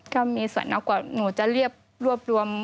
ถ้ามีส่วนมากกว่าหนูจะเรียบรวบรวม